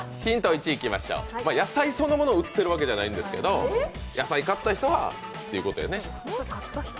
１、野菜そのものが売ってるわけじゃないんですけど、野菜を買った人はっていうことやね。